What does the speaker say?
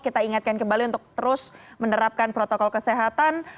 kita ingatkan kembali untuk terus menerapkan protokol kesehatan